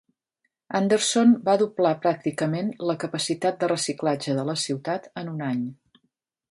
Anderson va doblar pràcticament la capacitat de reciclatge de la ciutat en un any.